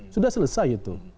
sudah selesai itu